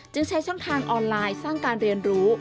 ใช้ช่องทางออนไลน์สร้างการเรียนรู้